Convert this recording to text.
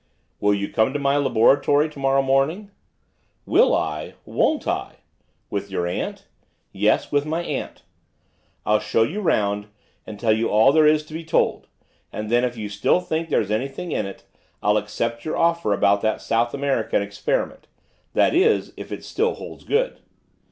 'Will you come to my laboratory to morrow morning?' 'Will I! won't I!' 'With your aunt?' 'Yes, with my aunt.' 'I'll show you round, and tell you all there is to be told, and then if you still think there's anything in it, I'll accept your offer about that South American experiment, that is, if it still holds good.